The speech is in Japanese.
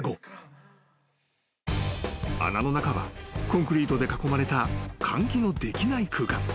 ［穴の中はコンクリートで囲まれた換気のできない空間］